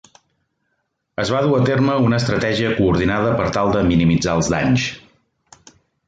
Es va dur a terme una estratègia coordinada per tal de minimitzar els danys.